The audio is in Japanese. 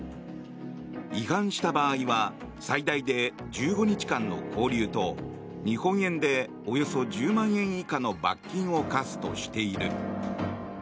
違反した場合は最大で１５日間の拘留と日本円でおよそ１０万円以下の罰金を科すとしている。